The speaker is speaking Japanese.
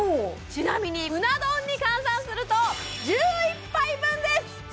ちなみにうな丼に換算すると１１杯分です